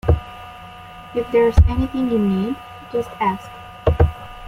If there's anything you need, just ask